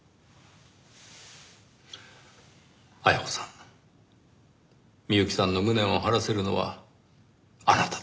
絢子さん美由紀さんの無念を晴らせるのはあなただけです。